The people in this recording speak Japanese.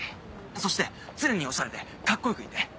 そして常にオシャレでカッコよくいて。